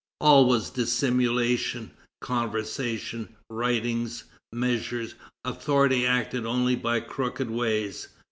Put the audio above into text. All was dissimulation; conversations, writings, measures; authority acted only by crooked ways.